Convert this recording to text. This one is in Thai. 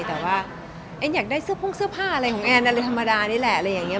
แต่ว่าแอนอยากได้เสื้อพุ่งเสื้อผ้าอะไรของแอนอะไรธรรมดานี่แหละอะไรอย่างนี้